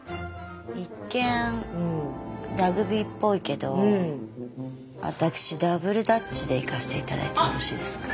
一見ラグビーっぽいけど私ダブルダッチで行かせていただいてもよろしいですか？